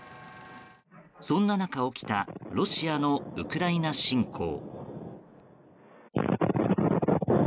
そんな中、起きたロシアのウクライナ侵攻。